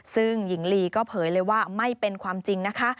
ซึ่งหญิงลีก็เผยเลยว่าไม่เป็นความจริงนะคะ